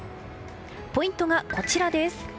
ポイントがこちらです。